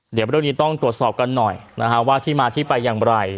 เดี๋ยวเรื่องนี้ต้องตรวจสอบกันหน่อยนะฮะว่าที่มาที่ไปอย่างไร